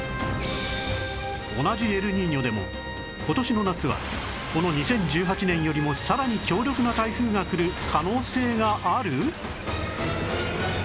同じエルニーニョでも今年の夏はこの２０１８年よりもさらに強力な台風が来る可能性がある？